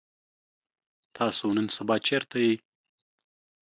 تاسو نن سبا چرته يئ؟